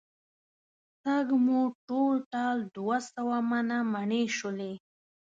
سږ مو ټول ټال دوه سوه منه مڼې شولې.